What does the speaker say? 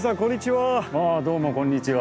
ああどうもこんにちは。